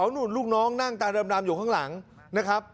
นู่นลูกน้องนั่งตาดำอยู่ข้างหลังนะครับ